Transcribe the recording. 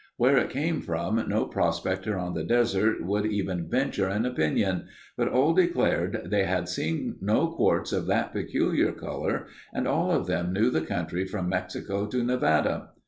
Where it came from no prospector on the desert would even venture an opinion, but all declared they had seen no quartz of that peculiar color and all of them knew the country from Mexico to Nevada.